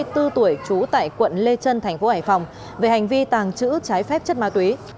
bốn mươi bốn tuổi trú tại quận lê trân thành phố hải phòng về hành vi tăng chữ trái phép chất ma túy